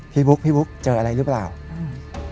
บุ๊กพี่บุ๊คเจออะไรหรือเปล่าอืม